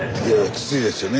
きついですね。